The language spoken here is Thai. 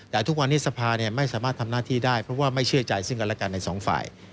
แต่ทุกวันนี้สภาไม่สามารถทำหน้าที่ได้เพราะว่าไม่เชื่อใจซึ่งกันและกันในสองฝ่าย